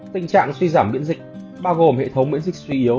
tình trạng suy giảm biễn dịch bao gồm hệ thống biễn dịch suy yếu